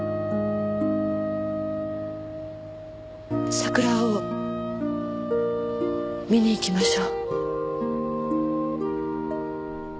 桜を見に行きましょう。